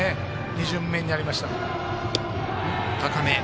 ２巡目になりました。